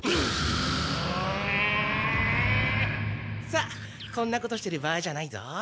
さっこんなことしてる場合じゃないぞ。